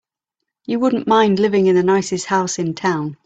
You wouldn't mind living in the nicest house in town.